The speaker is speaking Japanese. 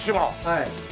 はい。